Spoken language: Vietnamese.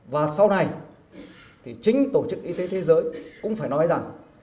và sau này thì chính tổ chức y tế thế giới cũng phải nói rằng